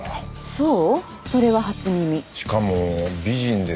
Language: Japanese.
そう？